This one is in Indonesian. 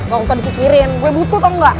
gak usah dipikirin gue butuh tau gak